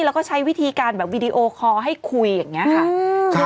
แล้วก็ใช้วิธีการแบบวีดีโอคอร์ให้คุยอย่างนี้ค่ะ